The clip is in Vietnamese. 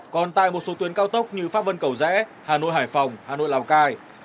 còn tại một số tuyến cao tốc như pháp vân cầu rẽ hà nội hải phòng hà nội lào cai